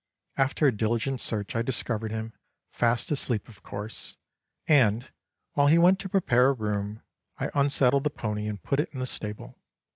After a diligent search I discovered him, fast asleep of course, and, while he went to prepare a room, I unsaddled the pony and put it in the stable.